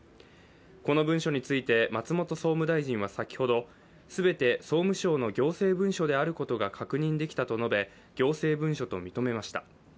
この文書について松本総務大臣は先ほど、全て総務省の行政文書であることが確認できたと述べ行政文書と認めました。